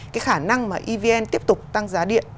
cái khả năng mà evn tiếp tục tăng giá điện